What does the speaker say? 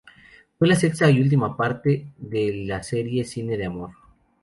Fue la sexta y última parte de la serie Cine de Amor.